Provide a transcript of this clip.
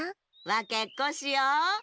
わけっこしよう。